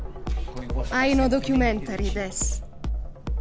愛のドキュメンタリーです。